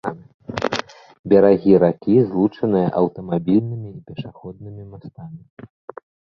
Берагі ракі злучаныя аўтамабільнымі і пешаходнымі мастамі.